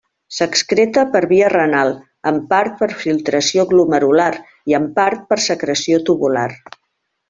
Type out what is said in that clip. S'excreta per via renal, en part per filtració glomerular i en part per secreció tubular.